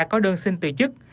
có đơn xin từ chức